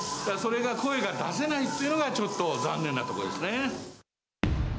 それが声が出せないというのが、ちょっと残念なところですね。